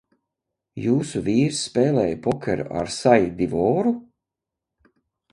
Jūsu vīrs spēlēja pokeru ar Sai Divoru?